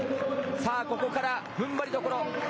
さあここから、ふんばりどころ。